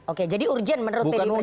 oke jadi urgent menurut pdi perjuangan